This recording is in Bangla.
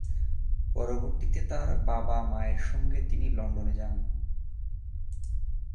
পরবর্তীতে তার বাবা-মায়ের সঙ্গে তিনি লন্ডন এ যান।